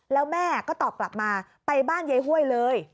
แล้วแม่ก็ตอบกลับมาไปบ้านยายห้วยเลย